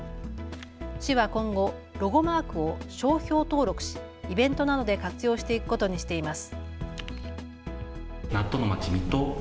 市は今後ロゴマークを商標登録しイベントなどで活用していくことにしています。